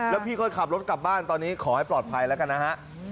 แล้วพี่ก็ขับรถกลับบ้านตอนนี้ขอให้ปลอดภัยแล้วกันนะฮะ